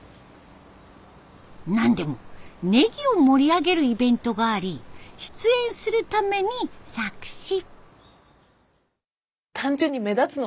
なんでもネギを盛り上げるイベントがあり出演するために作詞。